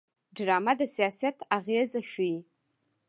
ډرامه د سیاست اغېز ښيي